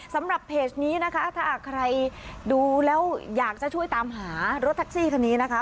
สำหรับเพจนี้นะคะถ้าหากใครดูแล้วอยากจะช่วยตามหารถแท็กซี่คันนี้นะคะ